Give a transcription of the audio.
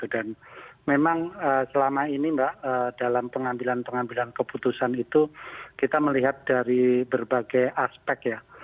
dan memang selama ini dalam pengambilan pengambilan keputusan itu kita melihat dari berbagai aspek